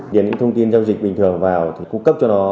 điền những thông tin giao dịch bình thường vào thì cung cấp cho nó